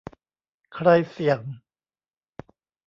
ใครเสี่ยง ?